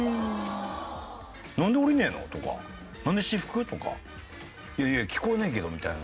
「なんで降りねえの？」とか「なんで私服？」とか「いやいや聞こえないけど」みたいな